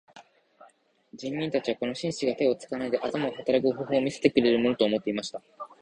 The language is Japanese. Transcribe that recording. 人民たちはこの紳士が手を使わないで頭で働く方法を見せてくれるものと思っていました。